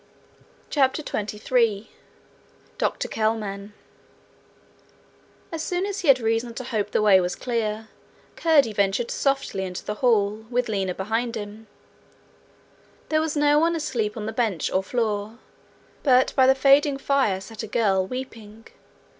CHAPTER 23 Dr Kelman As soon as he had reason to hope the way was clear, Curdie ventured softly into the hall, with Lina behind him. There was no one asleep on the bench or floor, but by the fading fire sat a girl weeping.